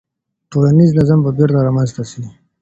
ټولنیز نظم به بیرته رامنځته سي.